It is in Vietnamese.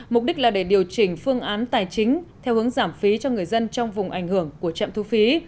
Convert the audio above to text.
mục đích là để điều chỉnh phương án tài chính theo hướng giảm phí cho người dân trong vùng ảnh hưởng của trạm thu phí